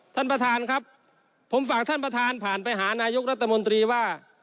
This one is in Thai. ท่านประธานครับผมฝากท่านประธานผ่านไปหานายกรัฐมนตรีว่า